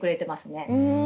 うん。